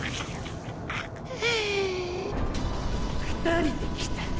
２人で来た。